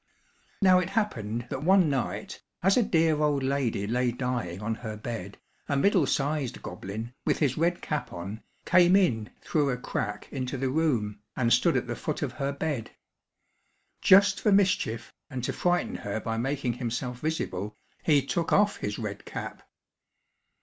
Now it happened that one night, as a dear old lady lay dying on her bed, a middle sized goblin, with his red cap on, came in through a crack into the room, and stood at the foot of her bed. Just for mischief and to frighten her by making himself visible, he took off his red cap.